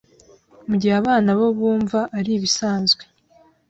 Mu gihe abana bo bumva ari bisanzwe